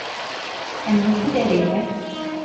Em li ku derê ne?